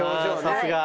さすが。